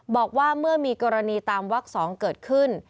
บอกว่าเมื่อมีกรณีตามวัก๒เกิดขึ้น